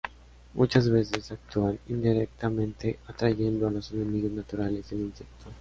Muchas veces actúan indirectamente atrayendo a los enemigos naturales del insecto.